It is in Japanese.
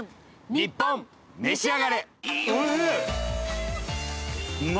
『ニッポンめしあがれ』。